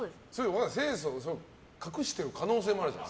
清楚を隠している可能性もあるじゃん。